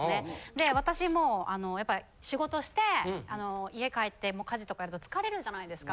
で私も仕事して家帰って家事とかやると疲れるじゃないですか。